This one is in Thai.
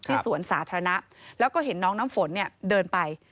ที่สวนสาธารณะแล้วก็เห็นน้องน้ำฝนเดินไป